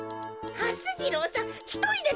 はす次郎さん